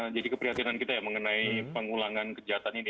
jadi keperhatianan kita ya mengenai pengulangan kejahatan ini